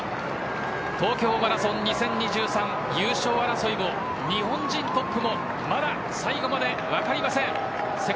東京マラソン２０２３優勝争いも、日本人トップも最後まで分かりません。